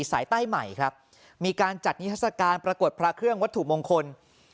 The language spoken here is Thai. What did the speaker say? สายใต้ใหม่ครับมีการจัดนิทัศกาลปรากฏพระเครื่องวัตถุมงคล